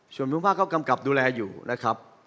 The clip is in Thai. ส่วนภูมิภาคก็กำกับดูแลอยู่นะครับ